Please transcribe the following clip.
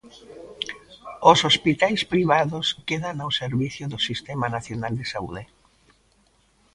Os hospitais privados quedan ao servizo do Sistema Nacional de Saúde.